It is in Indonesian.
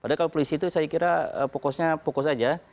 jadi kalau polisi itu saya kira pokoknya pokos saja